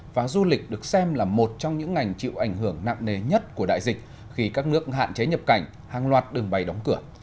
và du lịch được xem là một trong những ngành chịu ảnh hưởng nặng nề nhất của đại dịch khi các nước hạn chế nhập cảnh hàng loạt đường bay đóng cửa